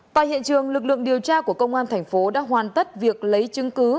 tại hiện trường lực lượng điều tra của công an thành phố đã hoàn tất việc lấy chứng cứ